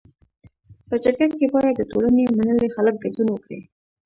په جرګه کي باید د ټولني منلي خلک ګډون وکړي.